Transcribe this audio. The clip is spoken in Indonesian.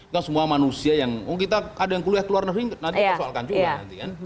kan semua manusia yang oh kita ada yang keluar negeri nanti kita soalkan juga nanti kan